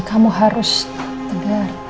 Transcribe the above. kamu harus tegar